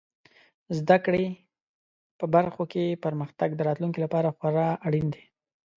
زده کړې په برخو کې پرمختګ د راتلونکي لپاره خورا اړین دی.